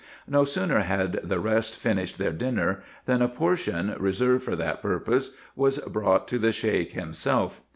No sooner had the rest finished their dinner, than a portion, reserved for that purpose, was brought to the Sheik himself.